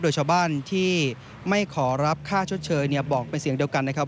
โดยชาวบ้านที่ไม่ขอรับค่าชดเชยเนี่ยบอกเป็นเสียงเดียวกันนะครับ